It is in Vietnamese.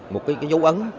một cái cái dấu ấn